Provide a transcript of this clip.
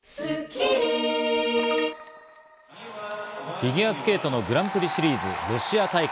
フィギュアスケートのグランプリシリーズ、ロシア大会。